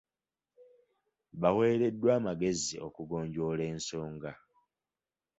Baaweereddwa amagezi okugonjoola ensonga.